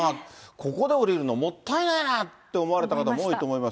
ここで降りるのもったいないなと思われた方、多いと思います。